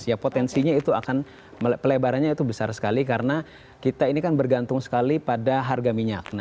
ya potensinya itu akan pelebarannya itu besar sekali karena kita ini kan bergantung sekali pada harga minyak